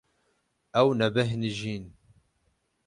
Ew nebêhnijîn.